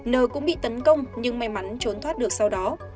nờ cũng bị tấn công nhưng may mắn trốn thoát được sau đó